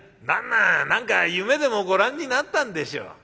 旦那何か夢でもご覧になったんでしょう。